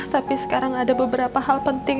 tapi sekarang ada beberapa hal penting